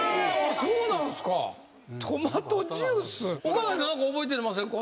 岡崎さん何か覚えてませんか？